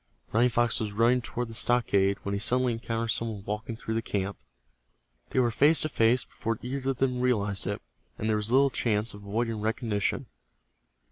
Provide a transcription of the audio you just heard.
Running Fox was running toward the stockade when he suddenly encountered some one walking through the camp. They were face to face before either of them realized it, and there was little chance of avoiding recognition.